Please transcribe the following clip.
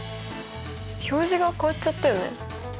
表示が変わっちゃったよね。